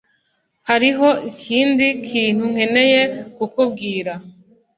Hariho ikindi kintu nkeneye kukubwira.